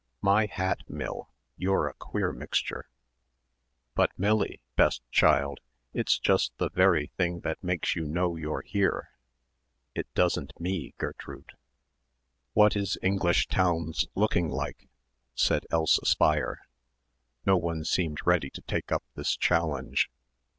"My hat, Mill, you're a queer mixture!" "But, Millie, best child, it's just the very thing that makes you know you're here." "It doesn't me, Gertrude." "What is English towns looking like," said Elsa Speier. No one seemed ready to take up this challenge.